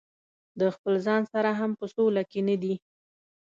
د خپل ځان سره هم په سوله کې نه دي.